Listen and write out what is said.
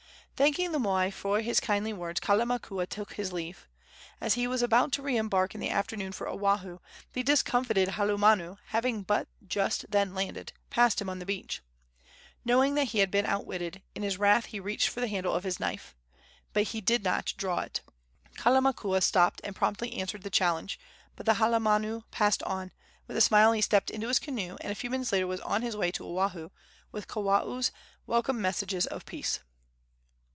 Thanking the moi for his kindly words, Kalamakua took his leave. As he was about to re embark in the afternoon for Oahu, the discomfited halumanu, having but just then landed, passed him on the beach. Knowing that he had been outwitted, in his wrath he reached for the handle of his knife. But he did not draw it. Kalamakua stopped and promptly answered the challenge; but the halumanu passed on, and with a smile he stepped into his canoe, and a few minutes later was on his way to Oahu with Kawao's welcome messages of peace.